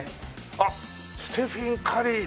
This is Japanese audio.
あっステフィン・カリーだ。